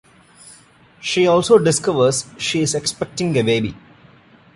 She also discovers she is expecting a baby.